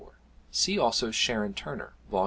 See also Sharon Turner, vol.